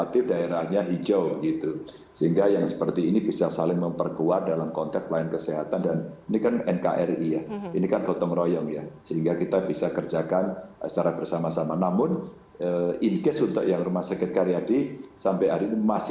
terima kasih pak dir